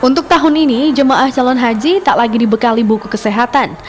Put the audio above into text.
untuk tahun ini jemaah calon haji tak lagi dibekali buku kesehatan